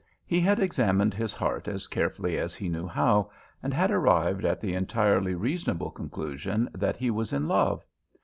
He had examined his heart as carefully as he knew how, and had arrived at the entirely reasonable conclusion that he was in love.